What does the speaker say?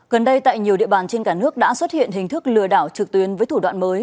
gần đây tại nhiều địa bàn trên cả nước đã xuất hiện hình thức lừa đảo trực tuyến với thủ đoạn mới